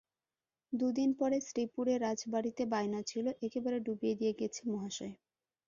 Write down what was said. দুদিন পরে শ্রীপুরে রাজবাড়িতে বায়না ছিল, একেবারে ডুবিয়ে দিয়ে গেছে মশায়।